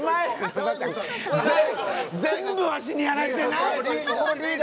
全部わしにやらしてな！